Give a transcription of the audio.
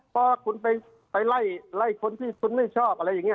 พอคุณไปไล่คนที่คุณไม่ชอบอะไรอย่างนี้